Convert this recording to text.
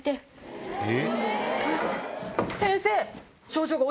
先生！